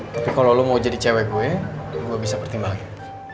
tapi kalo lu mau jadi cewek gue gua bisa pertimbangkan